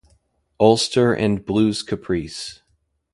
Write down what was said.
Ulster" and "Blues Caprice".